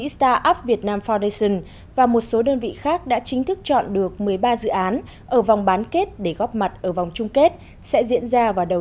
sẽ diễn ra vào đầu tháng một mươi tới